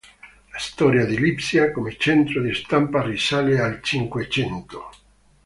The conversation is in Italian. La storia di Lipsia come centro di stampa risale al Cinquecento.